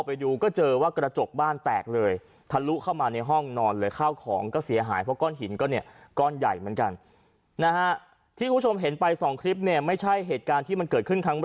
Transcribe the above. ออกไปดูก็เจอว่ากระจกบ้านแตกเลยทะลุเข้ามาในห้องนอนเลยเข้าของก็เสียหายเพราะก้อนหญิงก็เนี่ยก้อนใหญ่เหมือนกัน